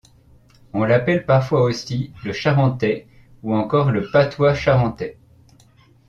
On l’appelle parfois aussi le charentais ou encore le patois charentais.